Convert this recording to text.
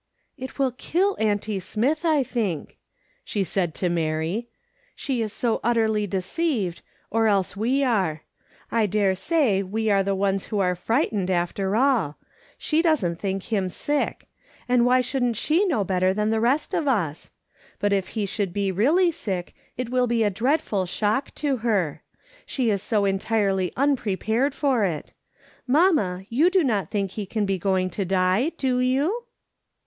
" It will kill auntie Smith, I think," she said to Mary, " she is sc utterly deceived, or else we are. I dare say we are the ones who are frightened, after all ; she doesn't think him sick ; and why shouldn't she know better than the rest of us ? But if he should be really sick it will be a dreadful shock to her. She is so entirely unprepared for it. Mamma, you do not think he can be going to die, do you